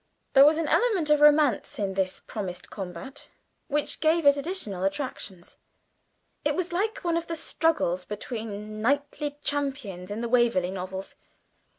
There was an element of romance in this promised combat which gave it additional attractions. It was like one of the struggles between knightly champions in the Waverley novels.